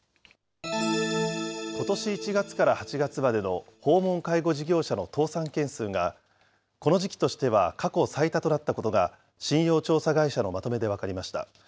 ことし１月から８月までの訪問介護事業者の倒産件数がこの時期としては過去最多となったことが、信用調査会社のまとめで分かりました。